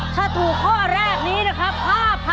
ถ้าถูกข้อแรกนี้นะครับ